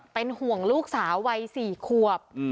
เป็นห่วงลูกสาววัย๔ขวบ